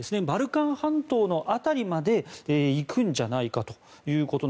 バルカン半島の辺りまで行くんじゃないかと。